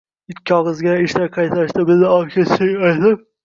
Ikki og`izgina, ishdan qaytishda bizni olib ketishin aytib